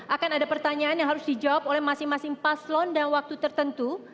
akan ada pertanyaan yang harus dijawab oleh masing masing paslon dan waktu tertentu